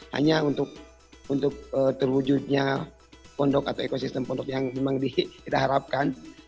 hanya untuk terwujudnya pondok atau ekosistem pondok yang memang kita harapkan